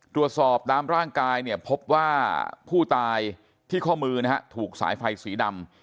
ตามร่างกายเนี่ยพบว่าผู้ตายที่ข้อมือนะฮะถูกสายไฟสีดำ